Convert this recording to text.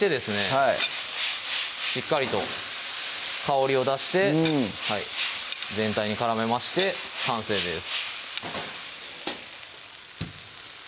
はいしっかりと香りを出して全体に絡めまして完成です